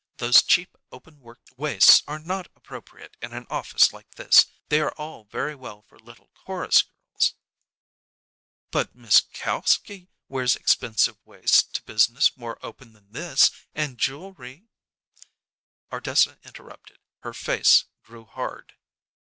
Those cheap open work waists are not appropriate in an office like this. They are all very well for little chorus girls." "But Miss Kalski wears expensive waists to business more open than this, and jewelry " Ardessa interrupted. Her face grew hard.